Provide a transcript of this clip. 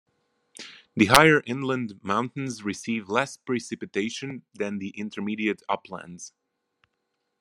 The higher inland mountains receive less precipitation than the intermediate uplands.